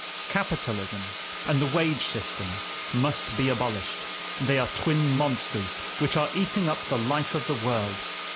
Capitalism and the wage system must be abolished; they are twin monsters which are eating up the life of the world.